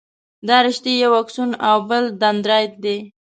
دا رشتې یو اکسون او بل دنداریت دي.